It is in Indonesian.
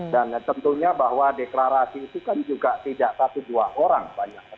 dan tentunya bahwa deklarasi itu kan juga tidak satu dua orang banyak orang